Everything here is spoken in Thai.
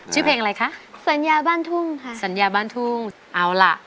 ชื่อเพลงอะไรคะสัญญาบ้านทุ่งค่ะสัญญาบ้านทุ่งเอาล่ะ